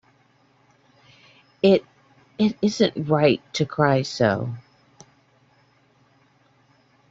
It — it — isn’t right to cry so.